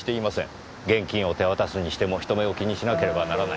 現金を手渡すにしても人目を気にしなければならない。